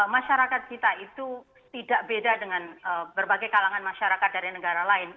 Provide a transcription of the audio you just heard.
masyarakat kita itu tidak beda dengan berbagai kalangan masyarakat dari negara lain